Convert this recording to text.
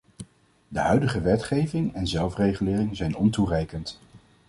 De huidige wetgeving en zelfregulering zijn ontoereikend.